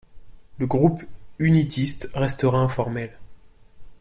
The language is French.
Le groupe Unitiste restera informel.